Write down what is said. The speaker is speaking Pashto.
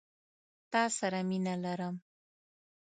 تا سره مينه لرم